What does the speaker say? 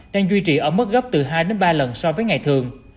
đang duy trì ở mức gấp từ hai đến ba lần so với ngày thường